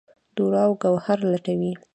دُراو ګوهر لټوي